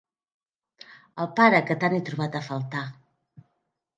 El pare que tant he trobat a faltar.